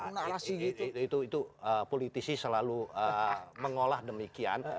nah itu politisi selalu mengolah demikian